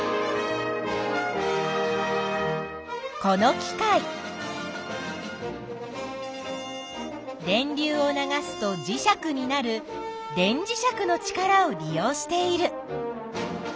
この機械電流を流すと磁石になる電磁石の力を利用している。